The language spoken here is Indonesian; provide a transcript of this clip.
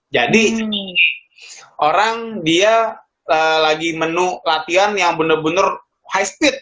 jadi orang dia lagi menu latihan yang bener bener high speed